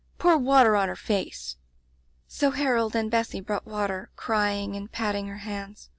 Pour water on her face!* "So Harold and Bessy brought water, cry ing and patting her hands.